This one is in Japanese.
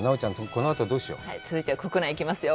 このあとどうしよう？続いては国内いきますよ